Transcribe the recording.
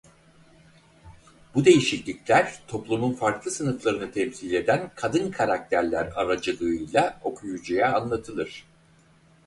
Bu değişiklikler toplumun farklı sınıflarını temsil eden kadın karakterler aracılığıyla okuyucuya anlatılır.